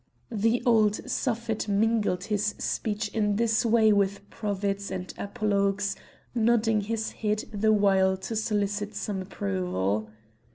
The old Suffet mingled his speech in this way with proverbs and apologues, nodding his head the while to solicit some approval.